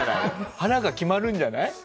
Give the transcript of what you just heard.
腹が決まるんじゃない？